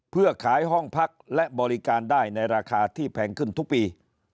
เพื่อขายห้องพักและบริการได้ในราคาที่แพงขึ้นทุกปี